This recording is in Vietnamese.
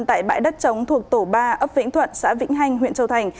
tại bãi đất chống thuộc tổ ba ấp vĩnh thuận xã vĩnh hanh huyện châu thành